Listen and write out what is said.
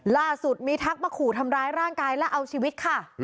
ล่าสุดมีทักมาขู่ทำร้ายร่างกายและเอาชีวิตค่ะ